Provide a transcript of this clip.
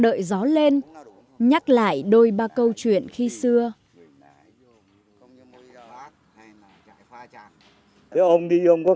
ông cùng người anh em bạn bè khi xưa lại kéo cánh buồm lên